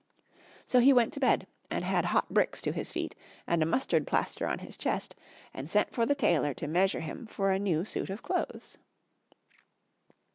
So he went to bed and had hot bricks to his feet and a mustard plaster on his chest, and sent for the tailor to measure him for a new suit of clothes.